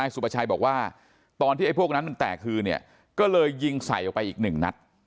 สุปชัยบอกว่าตอนที่พวกมันแตกครูเรายิงใส่อีกหนึ่งนัด